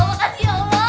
makasih ya allah